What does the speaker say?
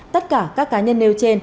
tất cả các cá nhân nêu trên